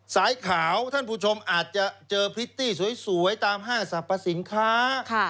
สายขาวท่านผู้ชมอาจจะเจอพริตตี้สวยตามห้างสรรพสินค้า